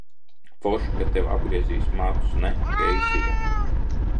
Forši, ka tev apgriezīs matus, ne, Keisija?